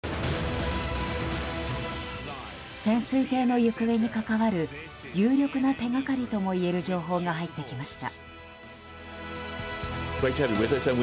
潜水艇の行方に関わる有力な手掛かりともいえる情報が入ってきました。